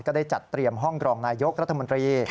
ได้จัดเตรียมห้องกรองนายกรัฐมนตรี